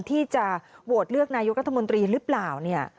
ที่จะโหวตเลือกนายุทธมนตรีหรือเปล่า